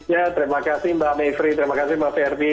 ya terima kasih mbak mayfrie terima kasih mbak ferdie